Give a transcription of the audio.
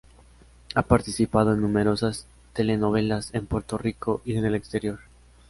Ha participado en numerosas telenovelas en Puerto Rico y en el exterior.